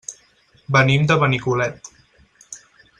Venim de Benicolet.